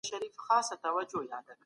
هغه بايد په نوموړي مصون ځای کي ميشته سي.